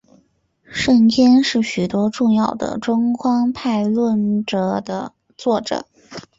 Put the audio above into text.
圣天是许多重要的中观派论着的作者。